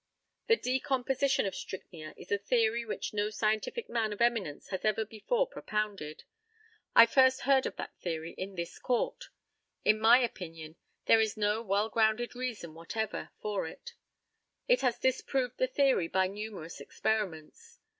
The decomposition of strychnia is a theory which no scientific man of eminence has ever before propounded. I first heard of that theory in this court. In my opinion, there is no well grounded reason whatever for it. I have disproved the theory by numerous experiments.